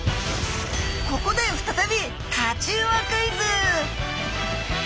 ここで再びタチウオクイズ！